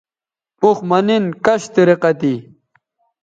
اوخ مہ نِن کش طریقہ تھی